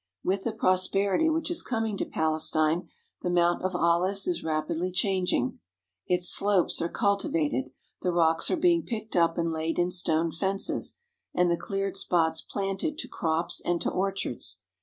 With the prosperity which is coming to Palestine the Mount of Olives is rapidly changing. Its slopes are cul tivated, the rocks are being picked up and laid in stone fences, and the cleared spots planted to crops and to orchards.